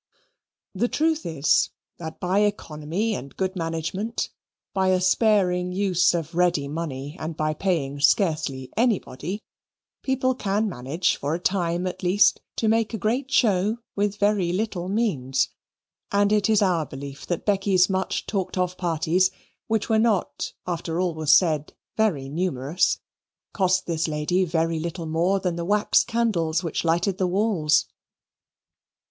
The truth is, that by economy and good management by a sparing use of ready money and by paying scarcely anybody people can manage, for a time at least, to make a great show with very little means: and it is our belief that Becky's much talked of parties, which were not, after all was said, very numerous, cost this lady very little more than the wax candles which lighted the walls.